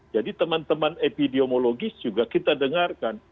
jadi teman teman epidemiologis juga kita dengarkan